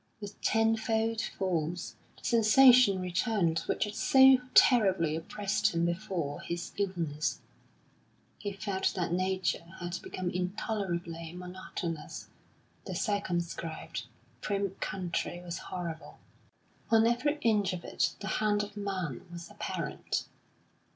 With tenfold force the sensation returned which had so terribly oppressed him before his illness; he felt that Nature had become intolerably monotonous; the circumscribed, prim country was horrible. On every inch of it the hand of man was apparent.